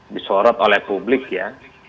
disorot oleh publik ya